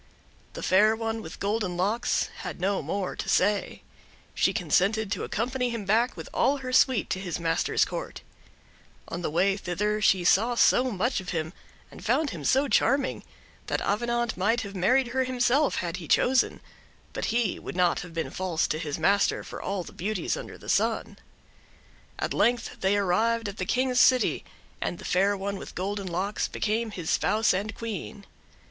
The Fair One with Golden Locks had no more to say. She consented to accompany him back, with all her suite, to his master's court. On the way thither she saw so much of him, and found him so charming, that Avenant might have married her himself had he chosen; but he would not have been false to his master for all the beauties under the sun. At length they arrived at the King's city, and the Fair One with Golden Locks became his spouse and Queen.